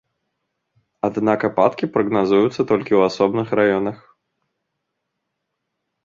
Аднак ападкі прагназуюцца толькі ў асобных раёнах.